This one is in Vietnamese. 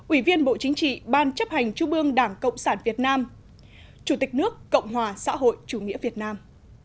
ủy viên bộ chính trị ban chấp hành trung ương đảng cộng sản việt nam chủ tịch nước cộng hòa xã hội chủ nghĩa việt nam